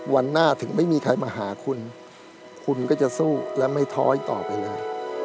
วันหน้าถึงไม่มีใครมาหาคุณคุณก็จะสู้และไม่ท้อยต่อไปเลย